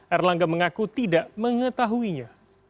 erlangga mengaku tidak mengetahuinya